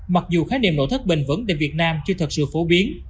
mặc dù khái niệm nổ thất bình vẫn tại việt nam chưa thật sự phổ biến